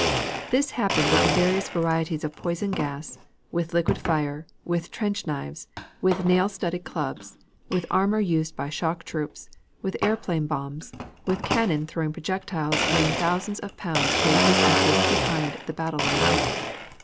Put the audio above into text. This happened with the various varieties of poison gas, with liquid fire, with trench knives, with nail studded clubs, with armor used by shock troops, with airplane bombs, with cannon throwing projectiles weighing thousands of pounds great distances behind the battle lines.